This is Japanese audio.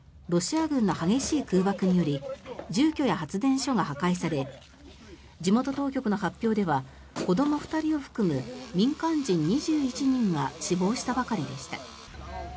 ロシア軍の激しい空爆により住居や発電所が破壊され地元当局の発表では子ども２人を含む民間人２１人が死亡したばかりでした。